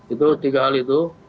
itu tiga hal itu